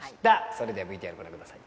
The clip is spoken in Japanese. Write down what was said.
それではＶＴＲご覧ください